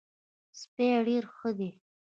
سپی ډېر ښه دی.